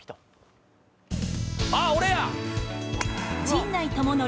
あっ俺や！